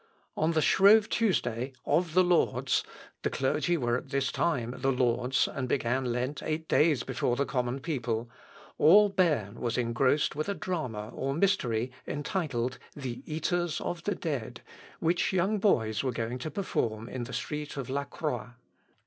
On the Shrove Tuesday "of the Lords," (the clergy were at this time the lords, and began Lent eight days before the common people,) all Berne was engrossed with a drama or mystery entitled, "The Eaters of the Dead," which young boys were going to perform in the street of La Croix.